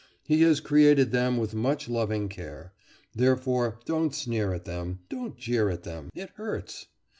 He has created them with much loving care; therefore don't sneer at them don't jeer at them it hurts!